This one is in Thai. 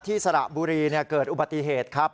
สระบุรีเกิดอุบัติเหตุครับ